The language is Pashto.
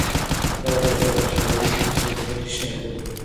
• دا دوره د ښاري نفوس د زیاتوالي شاهده وه.